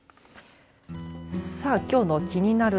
さあきょうのキニナル！